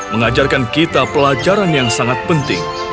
mengajarkan kita pelajaran yang sangat penting